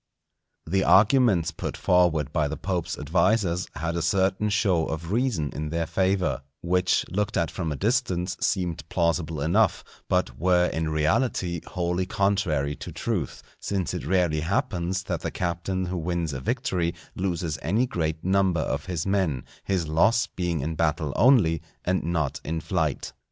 The arguments put forward by the Pope's advisers had a certain show of reason in their favour, which looked at from a distance seemed plausible enough; but were in reality wholly contrary to truth; since it rarely happens that the captain who wins a victory loses any great number of his men, his loss being in battle only, and not in flight.